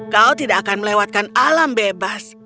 kau tidak akan melewatkan alam bebas